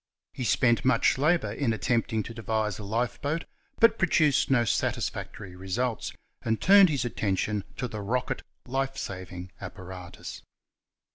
He spent much labour in attempting to de vise a lifeboat, but produced no satisfactory results, and turned his attention to the * Rocket ' life saving apparatus.